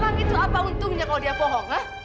orang itu apa untungnya kalau dia bohong ha